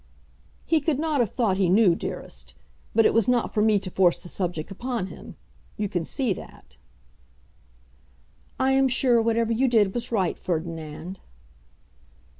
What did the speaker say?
"He could not have thought he knew, dearest. But it was not for me to force the subject upon him. You can see that." "I am sure whatever you did was right, Ferdinand."